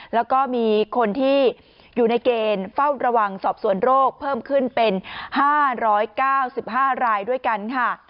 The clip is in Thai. แล้วก็มีคนที่อยู่ในเกณฑ์เฝ้าระวังสอบสวนโรคเพิ่มขึ้นเป็น๕๙๕รายด้วยกันค่ะ